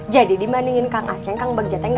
jadi dibandingin kang aceh kang bajak gak ada apa apanya